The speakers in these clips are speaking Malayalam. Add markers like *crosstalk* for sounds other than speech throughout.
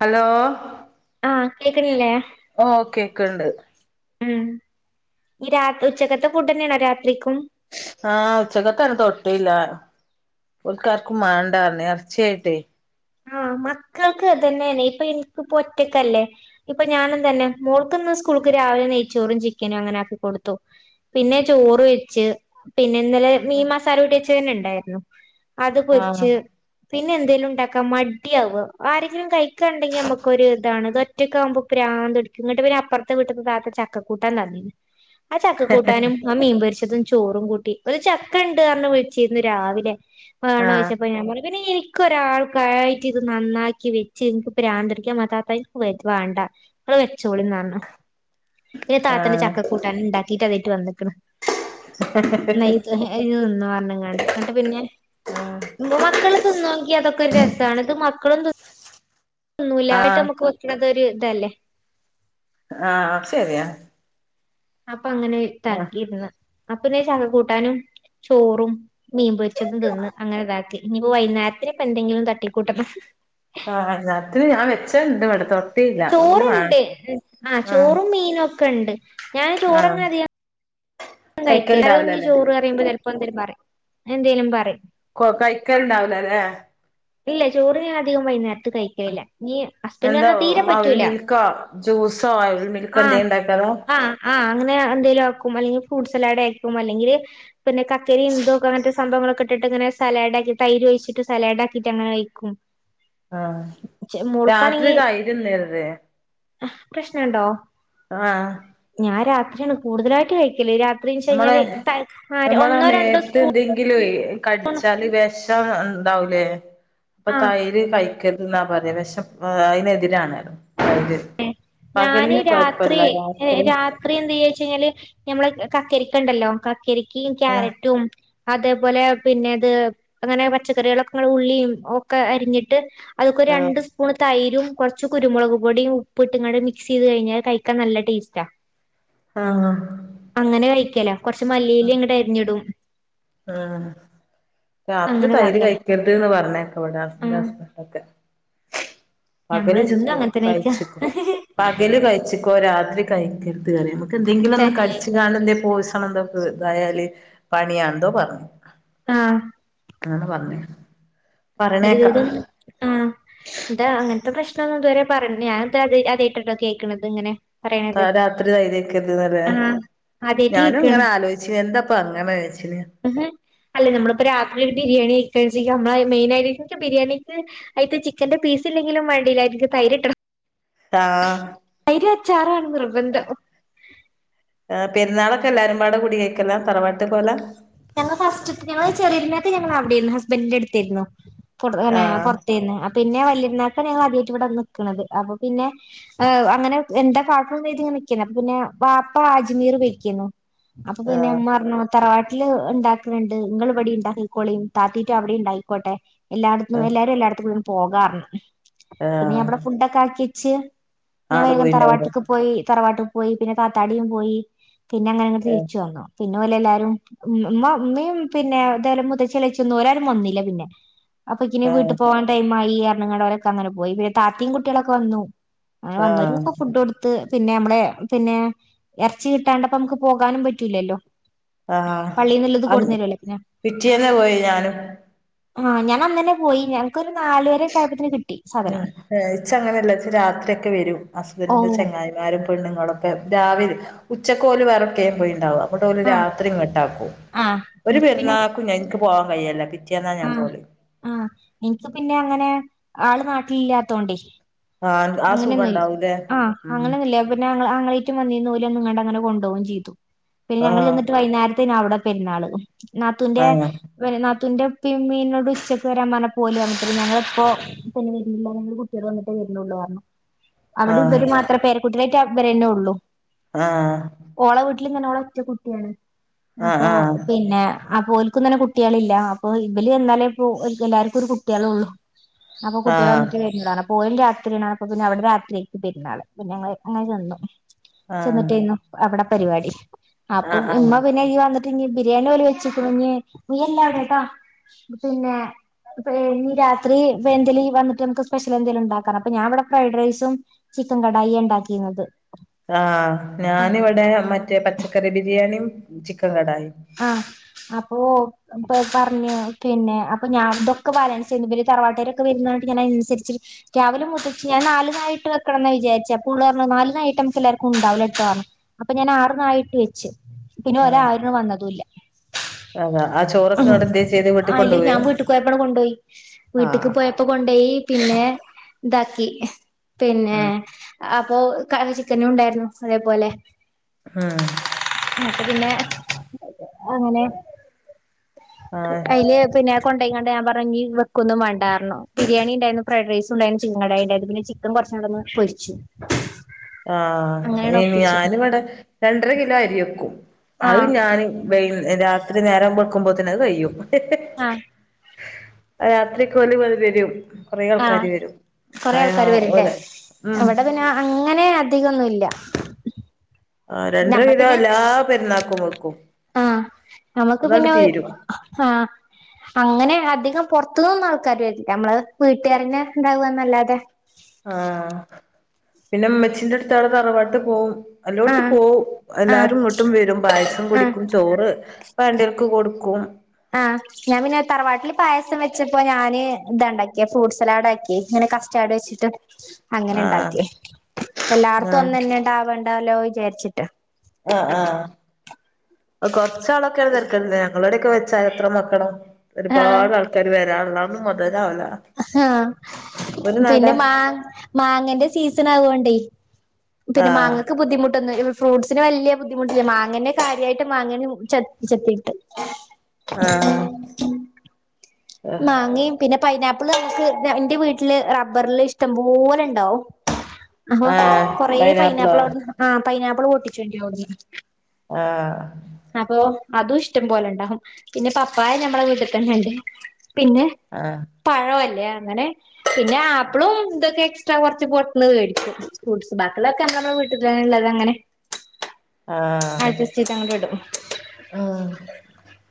ഹലോ ആ കേൾക്കണില്ലേ ഓ കേക്കണ്ട് ഉം രാത് ഇ ഉച്ചക്കത്തെ ഫുഡെ ന്നെണോ രാത്രി ആഹ് ഉച്ചക്കത്തന്നെ തു ഇല്ല ഓൾക്കാർക്കും മേണ്ടാർന്നേ എർച്ചി ആയിട്ടേ ആഹ് മക്ക ഇങ്ങക്ക് അതന്നെന്ന ഇപ്പൊ എനിക്ക് ഇപ്പോ ഒറ്റക്കല്ലേ ഇപ്പൊ ഞാന ന്താന് മോൾക്ക്ന്ന് സ്കൂൾക്ക് രാവിലെ നയി ചോറും ചിക്കനും അങ്ങനെ ആക്കിക്കൊടുത്തു പിന്നെ ചോറ് വെച്ച് പിന്നെ ഇന്നലെ മീ മാസാലുട്ടിവച്ചനു ഉണ്ടായിരുന്നു അത് ആഹ് പൊരിച്ച് പിന്നെ എന്തെലുംണ്ട ക്കമട്യാവ ആരെങ്കിലും കഴിക്കണ്ടെങ്കി നമക്കൊര് ഇതാണ് ഇത് ഒറ്റക്ക് ആവുമ്പോ പ്രാന്തു പിടിക്കും എന്നട്ട് പിന്നെ അപ്പറത്തെ വീട്ടീന്ന് താത്ത ചക്കകൂട്ടാൻ തന്നിന് ആ ചക്ക കൂട്ടാനും ആ മീൻ പൊരിച്ചതും ചോറും കൂട്ടി ഒരു ചക്ക ഉണ്ട് പറഞ് വിളിച്ചിരുന്നു രാവിലെ വേണ ആഹ് ചോദിച്ചപ്പ ഞ പറ പിന്നെ എനിക്ക് ഒരാൾ യിട്ട് ഇത് നന്നാക്കി വെച്ച് നിനിക്ക് ഭ്രാന്ത് ടിക്ക മതാത്തക്ക് വ വേണ്ട *unintelligible* ചോളിന്ന് പിന്നെ താത്തന്റെ ആഹ് ചക്കക്കൂട്ടൻ ഉണ്ടാക്കിട്ട് അതായിട്ട് വന്നിക്കണ് *unintelligible* എന്നട്ട് പിന്നെ മക്കള് തിന്നുവെങ്കി അതൊക്കെ ഒരു രസമാണ് ഇത് മക്കളും തിന്ന തിന്നുല്ല ആയിട്ട് ആഹ് നമ്മുക്ക് വെക്കണത ഒരു ഇതല്ലേ ആഹ ശരിയാാ അപ്പൊ അങ്ങനെതാക്കിയിരന്ന് അപ്പൊന്ന് ചക്ക കൂട്ടാനും ചോറും മീൻപൊരിച്ചതും തിന്ന് അങ്ങനെ ഇതാക്കി ഇനി വൈകുന്നേരത്തിന് ഇപ്പൊ എന്തെങ്കിലും തട്ടിക്കൂട്ടണം ആഹ് രാത്രി ഞാൻ വെച്ചുണ്ട് ഇവിടെ ത്തോ ചോറുണ്ട് ആ ആഹ് ചോറും മീനും ഒക്കെ ഉണ്ട് ഞാന് ആഹ് ചോറ്ങ്ങതിയാ *unintelligible* കഴിക്കൽണ്ടാവൂലല്ലേ ചോറ് പറയുമ്പോ ചിലപ്പോ എന്തേലും പറയും എന്തെങ്കലും പറയും കോ കൈക്കണ്ടാവൂലലെ ഇല്ല ചോറ് ഞാൻ അധികം വൈകുന്നേരത്ത് കഴിക്കില്ല നീ എന്താ ഹസ്ബന്റ്ആണെൽ തീരെ അവിൽ പറ്റൂല മിൽക്കോ ജ്യൂസോ അവിൽ മിൽക്കോ ആഹ എന്തേം ഇണ്ടാക്കാലാ ആ ആ അങ്ങനെയ എന്തേലും ആക്കും അല്ലെങ്കിൽ ഫ്രൂട്ട് സലാഡ് ആക്കും അല്ലെങ്കിൽ പിന്നെ കക്കരി എന്തോക്കെ അങ്ങനത്തെ സംവങ്ങളൊക്കെ ഇട്ട് ഇങ്ങനെ സലാഡ് ആക്കി തൈര് ഒഴിച്ചി് സലാഡ് ആക്കിയി്ട്ടങ്ങെനെ കഴിക്കും ആഹ് രാത്രി മോൾക്കാണെങ്കി തൈര് തിന്നരുത് പ്രശ്നണ്ടോ? ആ ആ ഭക്ഷണം കൂടുതലായിട്ട് കഴിക്കില്ല. രാ നമ്മളെ നമ്മള രണ്ടോ മേത്ത് സ്പൂ എന്തെങ്കിലുവേ കടിച്ചാല് വെഷംണ്ടാവുലേ അപ്പൊ ആഹ് തൈര് കഴി ക്കെര്തെന്നാ പറ വെഷം അതിനെതിരാണ് *unintelligible* ഞാന് രാത്രി രാത്രി എന്ത് ചെയ്യാ വെച്ച് കഴിഞ്ഞാല് ഞമ്മളെ കക്കരിക്ക ഉണ്ടല്ലോ കക്കരികേം ആഹ് ക്യാരറ്റും അതേപോലെ പിന്നെത് അങ്ങനെ പച്ചക്കറികളൊക്കെ ഉള്ളിയും ഒക്കെ അരിഞ്ഞിട്ട് അതൊക്കെ ആഹ് രണ്ട് സ്പൂൺ തൈരും കുറച്ച് കുരുമുളക് പൊടിയും ഉപ്പട്ടുംങ്ങാണ്ട് മിക്സ് ചെയ്ത് കഴിഞ്ഞാ കയ്ക്കാൻ നല്ല ടേസ്റ്റാ. ആഹ് അങ്ങനെ കഴിക്കല കൊറച്ച് മല്ലിയില ഇങ്ങട്ട് അരിഞ്ഞിടും ആഹ് രാത്രി തൈര് അങ്ങനെതാക്കലാ കഴിക്കരുത് ന് പറഞ്ഞേക്കവിടാന്റെ ആഹ് ഹസ്ബന്റോക്കെ പകല് ചോ ഞമ്മളെന്നും അങ്ങൻതന്നെ കഴിക്കാ. കഴിച്ചിക്കോ പകല് കഴിച്ചിക്കോ രാത്രി കഴിക്കരുത് പറയ അയ്ക്ക് എന്തെങ്കിലും ഒന്ന് തന്നെ കടിച്ച് കാണ എന്ത പോസണ എന്തോ ഇതായാല് പണിയാന്തോ പറഞ്ഞു ആഹ് ആ ന്ന് പറഞ്ഞ് *unintelligible* ആ എന്താ അങ്ങനത്തെ പ്രശ്നം ന്ന് ഇതുരെ പറഞ്ഞു ഞാനത് അത് ആദ്യയിട്ടിട്ടോ കേൾക്കണന്നത് ഇങ്ങനെ പറയണത് ത രാത്രി തൈര്ക്കരുത് നല്ലേ. ആഹ് ആദ്യായിട്ട് ഞാനും കേക്കാണ് ഇങ്ങനെ ആലോചിച്ച് എന്താപ്പ അങ്ങനെ വച്ചിന് അല്ല നമ്മിപ്പോൊ രാത്രി ഒരു ബിരിയാണി കൈക്കാഞ്ച്ചു നമ്മ മെയിനായിട്ട് എയിനിക്ക് ബിരിയാണിക്ക് അയ്ക്ക് ചിക്കന്റെ പീസ് ഇല്ലെങ്കിലും വേണ്ടില്ല അയിന്ക്ക് തൈര്ട്ടണം ആഹ് തൈര് അച്ചാറാണ് നിർബന്ധം. ആ പെരുന്നാളൊക്കെ എല്ലാരുംപാടെ കുടിയേക്കല തറവാട്ട് പോല ഞങ്ങൾ ഫസ്റ്റ് ഞങ്ങള് ചെറിയരുന്നാക്ക് ഞങ്ങൾ അവിടെരുന്നു ഹസ്ബന്റിന്റെടുത്തരുന്നു പുട് ആ പിന്നെ പുറത്തുന്ന് പിന്നെ രുന്നാക്ക് ഞങ്ങള് ആദ്യായിട്ട ഇവിടെ വന്നു നിക്കണത് അപ്പൊ പിന്നെ ആഹ് അങ്ങന എന്താ കാട്ടണ് കരുതി ഇങ്ങനെ നിക്കണ് അപ്പൊ പിന്നെ വാപ്പ അജ്മീർ പൈക്കയ്ന്നു അപ്പൊ ആ പിന്നെ പറഞ്ഞ് തറവാട്ട ല് ഇണ്ടാക്കുണ്‌ ണ്ട്. നിങ്ങള് ഇവിടെ ഇണ്ടാക്കക്കോളീം താത്തിറ്റും അവിടെ ഉണ്ടായിക്കോട്ടെ. എല്ലായിടത്തും എല്ലാരും എല്ലായിടത്തും കൂടി പോകാ പറഞ്ഞു. ആ പിന്നെഞാൻ ഇവിടെ ഫുഡൊക്കെ ആക്കി വെച്ച് ഞാൻ ആള് പോയിണ്ടാവൂലെ ആ ആണ്ട് വേഗം പോയിണ്ടാവുലേ തറവാട്ട്ക്ക് പോയി തറവാട്ട് പോയി പിന്നെ താത്താടിയും പോയി പിന്നെ അങ്ങനെ ഇങ്ങോട്ട് ഏ അങ്ങനെ തിരിച്ചു വന്നു പിന്നെ ഓലെ എല്ലാരും ഉ ഉമ്മ ഉമ്മയും പിന്നെ മുതച്ചളിച്ചൊന്നും ഒരാരും വന്നില്ല പിന്നെ അപ്പൊക്കിന് ഏ വീട്ടിൽ പോവാ ടൈമായി പറഞ്ഞുങ്ങട് ഒരൊക്കെ അങ്ങനെ പോയി പിന്നെ താത്തിം കുട്ടികളൊക്കെ വന്നു അ വന്നോര്കൊക്കെ ആ ഫുഡ് കൊടുത്ത് പിന്നെ നമ്മള പിന്നെ ഇറച്ചി കിട്ടാണ്ടപ്പോ നമുക്ക് പോകാനും പറ്റൂലല്ലോ. ആഹ് പള്ളീന്ന്ള്ളത് അ കൊടുന്നരല്ലോ പിന്നെ പിറ്റേന്നെ പോയി ഞാനും ആഹ് ഞാനന്നെന്നെ പോയി ഞാൻ *unintelligible* ആആഹ് ഇച്ച് അങ്ങനെ ഇച്ച് രാത്രീക്കെ വരും ഓ ഹസ്ബന്റിന്റെ ചെങ്ങായിമാരും പെണ്ണുങ്ങളൊക്കെ രാവിലെ ഉച്ചക്കോല് വേറെക്കെയും പോയി ഉണ്ടാവാം ഇങ്ങോട്ടോല് ആഹ് രാത്രി ഇങ്ങോട്ടാക്കും. ആഹ് ഒരു എനിക്ക് പിന്നെ പെരുന്നാൾക്കും ഞ എനിക്ക് പോവാാൻ കഴിയല്ല പിറ്റേന്നാ ഞാൻ ആഹ് പോവല് ആ എനിക്ക് പിന്നെ അങ്ങനെ ആള് നാട്ടിലില്ലാത്തോണ്ടേ ആഹ് ആ സുഖം അങ്ങനൊന്നും ഉണ്ടാവൂലേ ആ് ഉം അങ്ങനൊന്നുല്ല പിന്നെ *unintelligible* ന്നിറ്റ് വന്നീന്നു ഓല് വന്നുങ്ങാണ്ട് അങ്ങനെ കൊണ്ട് പോകയും ചെയ്തു. പിന്ന ഞങ്ങൾ ആഹ് ചെന്നിട്ട് വൈന്നേരത്തേന അവിടെ പെരുന്നാള്. നാത്തുന്റെ ആഹ് വെ നാത്തുന്റെ പിമ്മിനോട് ഉച്ചയ്ക്ക് വരാൻ പറഞ്ഞപ്പോ ഓലേ പറഞ്ഞു ത്രെ ഞങ്ങളപ്പോ പിന്നെ വരീല ഞങ്ങള് കുട്ടികള് വന്നിട്ട് വരുണ്ള്ളു പറഞ്ഞു അവിടെ ആഹ് ഇവര് മാത്രേ പേരക്കുട്ട്യളായിട്ട് ഇവരന്നെ ഉള്ളു ആ *unintelligible* ഒറ്റ കുട്ടിയാണ് അപ്പൊ ആഹ് ആഹ് പിന്നെ അപ്പോൽക്കുംങ്ങനെ കുട്ട്യളില്ല അപ്പൊ ഇവല് എന്നാലേ ഇപ്പോ ഓൽക്കെല്ലാർക്കും ഒരു കുട്ട്യളുള്ളു അപ്പൊ കുട്ട്യകൾ ആഹ് വന്നിട്ട് *unintelligible* പിന്നെ അവിടെ രാത്രിേക്ക് പെരുന്നാള് പിന്നെ ഞങ്ങള് അങ്ങനെ ചെന്നു ചെന്നിട്ടേ ആഹ് *unintelligible* പരിപാടി അപ്പൊ ആഹ് ഉമ്മ ആഹ് പിന്നെ ഈ *unintelligible* ബിരിയാണി പോലെ വെച്ചിക്കഞ്ഞ് നീ എല്ലാം കേട്ടാ പിന്നെ പ്പെനി രാത്രി വെന്തെലി വന്ന്ട്ട് നമുക്ക് സ്പെഷ്യൽ എന്തേല്ണ്ടാക്കണം *unintelligible* ഫ്രൈഡ് റൈസും ചിക്കൻ കടായി ണ്ടാക്കിരുന്നത് ആ ഞാനിവിടെ മറ്റേ പച്ചക്കറി ബിരിയാണിം ചിക്കൻ കടായി ആ ആ ഓ അ പറഞ്ഞു പിന്നെ അപ്പൊ ഞാൻ ഇതൊക്കെ ബാലൻസ് *unintelligible* തറവാട്ടരൊക്കെ വരുന്ന *unintelligible* അനുസരിച്ച് രാവിലെ മുതച്ച് ഞാൻ നാല നായിട്ട് വെക്കണംന്ന് വിചാരിച്ച അപ്പോള്റഞ്ഞ് നാല് നായിട്ട നമുക്കെല്ലാര്ക്കുണ്ടാവും അപ്പൊ ഞാനാർന്നായിട്ട് വെച്ച് പിന്നെ ആഹ് ഓലാരും വന്നതുംല്ല അതാ ആ ചോറൊക്കെ ഇങ്ങട്ട് എന്തെ ചെയ്ത് വീട്ടിൽ ആ അയ്ല് കൊണ്ടോവേ ഞാൻ വീട്ട്ക്ക് പോയപ്പാട് കൊണ്ടോയി വീട്ട്ക്ക് ആഹ് പോയപ്പോ കൊണ്ടോയി പിന്നെ ഇതാക്കി പിന്ന ഉം അപ്പൊ ക ചിക്കനുണ്ടായിരുന്നു അതേപോലെ ആ പിന്നെ അങ്ങനെ ആഹ് അയ്ല് പിന്ന കൊണ്ടയ്ങാണ്ട് ഞാമ്പറഞ്ഞെങ്കി വെക്കൊന്നും വേണ്ടാറഞ്ഞു ബിരിയാണിണ്ടാരുന്നു ഫ്രൈഡ്റൈസുണ്ടാരുന്നു ചിക്കൻ കടായിണ്ടാരുന്നു പിന്നെ ചിക്കൻ വറ *unintelligible* പൊരിച്ചു ആ അങ്ങനെയാണ് ഒപ്പിച്ചു ഞാനും ഇടെ രണ്ടര കിലോ അരി വെക്കും അത് ആഹ് ഞാന് വൈ രാത്രി നേരം വെക്കുമ്പോത്തേനത് കയും ആ രാത്രിക്ക് *unintelligible* ആ വരും കൊറേ ആൾക്കാര് വെരുല്ലേ ഓല് ഉം വിടെ പിന്നെ അങ്ങനെ അധികൊന്നുംല്ല ആ രണ്ടര കിലോ അല്ലാ പെരുന്നാക്കും വെക്കും ആ നമുക്ക് അതങ്ങട് പിന്നെ ഒ തീരും ആ അങ്ങനെ അധി പൊത്തൊന്നു ആൾക്കാര് വരില്ല നമ്മള് വീട്ടുകാരനെ ഇണ്ടാവുകന്നല്ലാതെ ആ പിന്നെമ്മച്ചിന്റെ അടുത്ത്ടു ത അറവാട്ട് പോവും എല്ലോടത്ത ആഹ് പോവും ആഹ് എല്ലാരും ഇങ്ങോട്ടും വരും പായസം ആഹ് കുടിക്കും ചോറ് പണ്ടൾക്ക് കൊടുക്കും ആ ഞാൻ പിന്നെ തറവാട്ടിൽ പായസം വെച്ചപ്പോ ഞാന് ഇത ഒണ്ടാക്കിയ ഫ്രൂട്ട്സ് സ്ലാഡ ആക്കിങ്ങനെ കഷ്ടട് വെച്ചിട്ട് അങ്ങനെ ആഹ് ഇണ്ടാക്കി എല്ലായിടത്തും ആഹ് ഒന്നന്നെ ഉണ്ടാവണ്ടല്ലോ വിചാരിച്ചിട്ട് ആ ആ കൊറച്ചാളൊക്കെയാണ് തരക്കേട് ഇല്ല ഞങ്ങളോടെൊക്കെ ചരിത്രമാക്കണം ഒരുപാട് ആൾക്കാര് വരാനുള്ളാണ് മത ആ ഒരു നട പിന്നെ മാ മാങ്ങന്റെ സീസൺ ആകോണ്ടേ പിന്നെ ആഹ് മാങ്ങൾക്ക് ബുദ്ധിമുട്ട് ഫ്രൂട്ടസിന് വലിയ ബുദ്ധിമുട്ടില്ല മാങ്ങെ കാര്യായിട്ട് മാങ്ങ ച ചത്തിട്ട് ആഹ് മാങ്ങയും പിന്നെ പൈനാപ്പി അപ്പോള് നമുക്ക് എന്റെ വീട്ടില് റബ്ബറില് ഇഷ്ടംപോലെ ഉണ്ടാവ അഹൊ ആഹ് കൊറേ പൈനാപ്പിളോ പൈനാപ്പിൾ അവിന്ന് ആ പൈനാപ്പിൾ പൊട്ടിച്ചോണ്ട അവി ആ അതും ഇഷ്ടം പോലെ ഉണ്ടാകും പിന്നെ പപ്പായ ഞമ്മടെ വീട്ടിൽ തന്നെ ഉണ്ട് പിന്നെ ആഹ് പഴല്ലേ അങ്ങനെ പിന്നെ ആപ്പിളും ഇതൊക്കെ ഇടക് കുറച്ച് പൊറത്തൂന്ന് മേടിക്കും ഫ്രൂട്ട്സ് ബാക്കിയൊള്ളതൊക്കെ നമ്മടെ വീട്ടിൽ തന്നെ ഉള്ളത് അങ്ങനെ ആഹ് അഡ്ജസ്റ്റ് ചെയ്ത് അങ്ങോട്ട് ഇടും അഹ്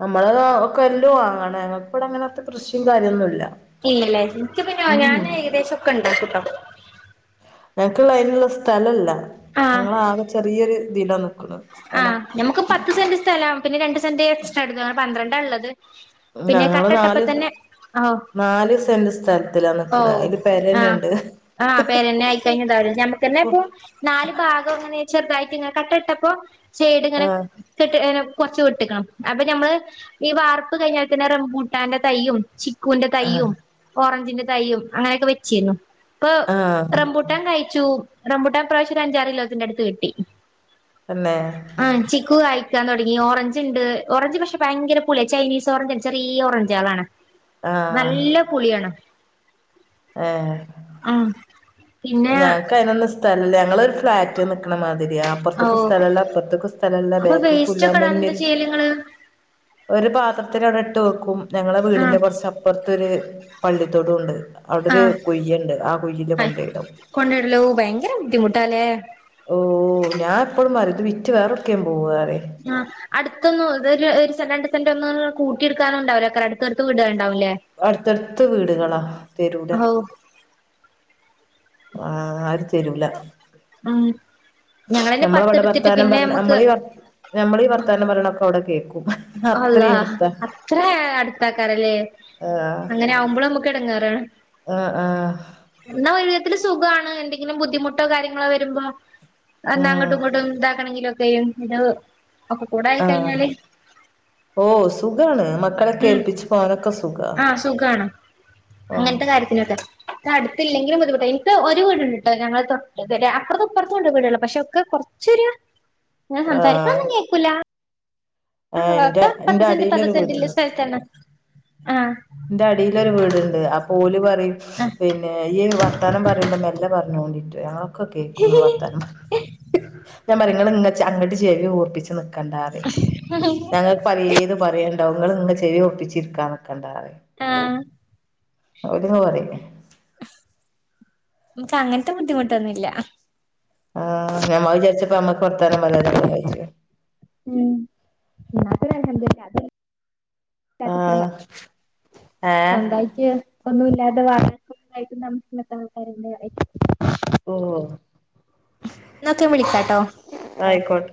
നമ്മളതാ കൊല്ലോ വാങ്ങണം ഞങ്ങൾക്ക്‌ ഇവിടെ അങ്ങനത്തെ കൃഷിയും കാര്യൊന്നുമില്ല ഇല്ലല്ലേ എനിക്ക് പിന്നെ ഞാൻ ഏകദേശം ഒക്കെ ഉണ്ടാക്കൂട്ടോ ഞങ്ങക്കുള്ള അതിനുള്ള സ്ഥലില്ല ഞങ്ങള ആകെ ചെറിയൊരു ഇതിലാ നി - ആ ഞമുക്ക് പത്ത്സെന്റ് സ്ഥലം പിന്നെ രണ്ടുസെന്റ് എക്സ്ട്രാ എടുത്തു അനെ പന്ത്രണ്ടാ ഉള്ളത് പിന്നെ ഞങ്ങള് കട്ട ഇട്ടപ്പോ നാല് തന്നെ ഓഹ് നാല് സെറ് സ്ഥലത്തിലാ ഓ നിക്കണേ അതില് പെരതന്നെ ആഹ് ഉണ്ട് ആഹ് പെരന്നെ ആയി കഴിഞ്ഞത നമുക്ക് തന്നെ ഇപ്പൊ നാല് ഭാഗം അങ്ങനെ ചെറുതായിട്ട് ഇങ്ങനെ കട്ട ഇട്ടപ്പോ സൈഡ് ഇങ്ങനെ ആഹ് കേട്ട് കൊറച്ചു വിട്ടുനിക്കണം അപ്പൊ ഞമ്മള് ഈ വാർപ്പ് കഴിഞ്ഞാപിന്നെ റംമ്പൂട്ടാന്റെ തൈയ്യും ചിക് ക്കൂന്റെ ആഹ് തയ്യയും ഓറഞ്ചിന്റെ തൈയും അങ്ങനെയൊക്കെ വെച്ചിരുന്നു ഇപ്പൊ ആഹ് റംബൂട്ടാൻ കായിച്ചു റംബൂട്ടാൻ ഈ പ്രാവശ്യം ഒരു അഞ്ചാറ് കിലോത്തിന്റെ അടുത്ത് കിട്ടി തന്നെ ആഹ് ചിക്കു കായി ക്കാൻ തുടങ്ങി ഓറഞ്ച് ഉണ്ട് ഓറഞ്ച് പക്ഷെ ഭയങ്കര പുളിയ ചൈനീസ് ഓറഞ്ച ചെറിയ ഓറഞ്ച് ആളാണ് നല്ല പുളിയാണ് ആഹ് ആഹ് പിന്നെ ഞങ്ങക്ക് അതിനൊന്നും സ്ഥലില്ല ഞങ്ങളൊരു ഫ്ലാറ്റിൽ നിക്കണ മാതി രിയ അപ്പുറത്തേക്കും ഓഹ് സ്ഥലില്ല ഇപ്പുറത്തേക്കും സ്ഥലില്ല അപ്പൊ ബാക്ക്ക്കും വേസ്റ്റ് ഇല്ല ഒക്കെ ഇടാൻ എന്താ മുന്നിൽ ചെയ്യല് നിങ്ങള് ഒരു പാത്രത്തി ഇട്ട് വെക്കും ഞങ്ങളെ വീടിന്റെ ആഹ് കുറച് അപ്പുറത്തരു പള്ളിത്തോടും ഉണ്ട് അവിടൊരു ആഹ് കുഴിയൊണ്ട് ആ കുഴീല് കൊണ്ടിടും കൊണ്ടിലു ഭയങ്കര ബുദ്ധിമുട്ടാലേ ഓഹ് ഞാൻ എപ്പഴും പറയും ഇത് വിറ്റ് വേറെ എവിടെക്കേലും പോവാം ആഹ് അടുത്തൊന്നും ഒരു ഒരുസെന്റ് രണ്ട് സെന്റ് ഒന്നും കൂട്ടി എടുക്കാനുണ്ടാവല്ല കാരണം അടുത്തടുത്ത് വീടയോണ്ട് അടുത്തടുത്ത് വീടുകളാ തെരൂല്ല ഹൗ തെരൂല്ല മ് നമ്മള് അവിടെ വർത്താനം പറ നമ്മളീ വർ നമ്മളീ വർത്താനം പറയണതൊക്കെ അവിടെ കേക്കും അല്ലാ അത്രയും എടുത്താ അത്ര അടുത്താക്കാരല്ലേ ആഹ് അങ്ങനെ ആകുമ്പോഴും നമുക്ക് ഇടങ്ങേറാണ് ആഹ് ആഹ് ഇതില് സുഖമാണ് എന്തെങ്കിലും ബുദ്ധിമുട്ടോ കാര്യങ്ങളോ വരുമ്പോ എന്ത അങ്ങോട്ടും ഉം ഇങ്ങോട്ടും ഇതാക്കണെങ്കിലും തെയും ഇത് ഒക്കെ കൂടായി കഴിഞ്ഞാല് ഓ സുഖാണ് മക്കളെ ഒക്കെ ഉം ഏൽപ്പിച്ച് പോകാനൊക്കെ സുഖാ ആഹ് സുഖാണ് ആഹ് അങ്ങനത്തെ കാര്യത്തിനൊക്കെ ഇത് അടുത്തില്ലെങ്കിലും ബുദ്ധിമുട്ട് എനിക്ക് ഒ വീടിണ്ടിട്ടോ ഞങ്ങൾ തൊട്ട് ദേ അപ്പുറത്തും ഇപ്പുറത്തും ഉണ്ട് വീടുകള് പക്ഷെ ഒക്കെ കുറച്ചൊരു ഞാൻ സംസാരിക്കുന്നത് ഒന്നും കേക്കൂല ആ എന്റെ ഒക്കെ പത്ത് എന്റെ സെന്റ് പത്ത് അടിയിലൊരു സെന്റില് വീടുണ്ട് സ്ഥലത്താണ് ആഹ് എന്റെ അടീല് ഒരു വീടുണ്ട് അപ്പം ഓല് പറ ആഹ് പിന്നെ ഈ വർത്താനം പറയുമ്പോ മെല്ലെ പറഞ്ഞൊണ്ടിട്ട് ഞ ക്കു കേക്കൂന്ന് വർത്താനം ഞാൻ പറയും ഇങ്ങള് ഇങ്ങ് ചെ അങ്ങോട്ട് ചേവികുർപ്പിച്ച് നി കണ്ടാന്ന് ഞങ്ങൾ പലേത് പറയേണ്ടവും ഇങ്ങള് ഇങ്ങെ ചെവി കുർപ്പിച്ചിരിക്കാനിക്കണ്ടാന്ന് ആഹ് അവിടുന്ന് പറയും നമക്ക് അങ്ങനത്തെ ബുദ്ധിമുട്ടൊന്നുമില്ല അഹ് ആഹ് ഞമ്മ വിചാരിച്ച് ഇപ്പോ ഞമ്മക്ക് വർത്താനം പറയാനൊക്കെ വിചാരിച് മ് *inaudible* ആഹ് ഏഹ് സ്വന്തായിട്ട് ഒന്നും ഇല്ലാതെ വാടകക്കൊക്കെ താമസിക്കുന്ന ആൾക്കാരുണ്ട് ഓ ന്നാ ഒക്കെ വിളിക്കാട്ടോ ആയിക്കോട്ടെ